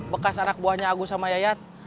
bekas anak buahnya agus sama yayat